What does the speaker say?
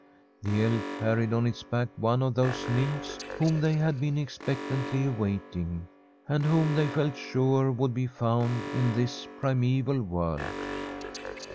The elk carried on its Imch (iMc (if tnoiic nymphs whom they had been fKprrfnnlly awaiting, and whom they feh sure would l>r foiuul in this primeval world.